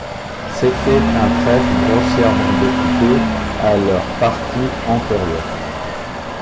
C’était un trèfle grossièrement découpé à leur partie antérieure.